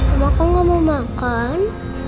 om aka gak mau makan